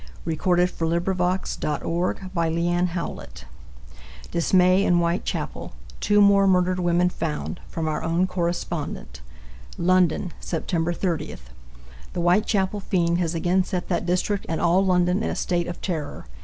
(6 posts) New York Times October 1, 1888 DISMAY IN WHITECHAPEL "Two More Murdered Women Found" from our own correspondent. London, Sept. 30. The Whitechapel fiend has again set that district and all London in a state of terror.